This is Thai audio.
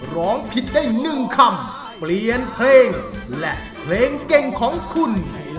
ร้องผิดได้๑คำเปลี่ยนเพลงและเพลงเก่งของคุณ